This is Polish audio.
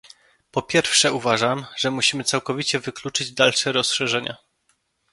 Po pierwsze uważam, że musimy całkowicie wykluczyć dalsze rozszerzenia